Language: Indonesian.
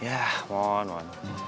yah mon mon